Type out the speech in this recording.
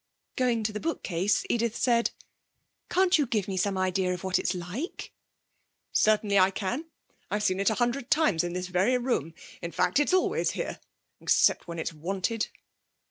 Going to the bookcase, Edith said: 'Can't you give me some idea of what it's like?' 'Certainly I can. I've seen it a hundred times in this very room; in fact it's always here, except when it's wanted.'